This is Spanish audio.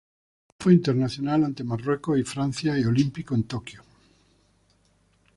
Fue internacional ante Marruecos y Francia y Olímpico en Tokio.